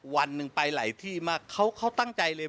วันหนึ่งไปหลายที่มากเขาตั้งใจเลย